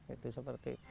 itu seperti itu